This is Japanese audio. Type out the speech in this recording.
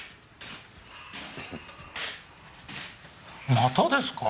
またですか！？